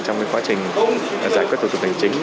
trong quá trình giải quyết tổ chức hành chính